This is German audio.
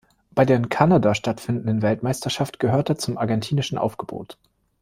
Bei der in Kanada stattfindenden Weltmeisterschaft gehört er zum argentinischen Aufgebot.